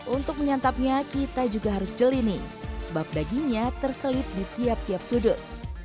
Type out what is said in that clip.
untuk menyantapnya kita juga harus jelini sebab dagingnya terselip di tiap tiap sudut